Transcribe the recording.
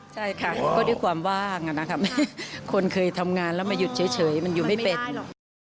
ใช่ค่ะก็ด้วยความว่างคนเคยทำงานแล้วมาหยุดเฉยมันหยุดไม่เป็นหรอก